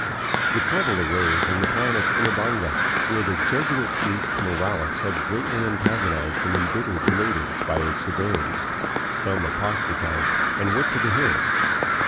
The trouble arose in the town of Ina banga, where the Jesuit priest Morales had greatly antag onized and imbittered the natives by his severity. Some apostasized, and went to the hills.